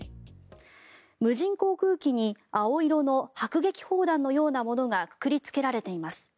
無人航空機に青色の迫撃砲弾のようなものがくくりつけられています。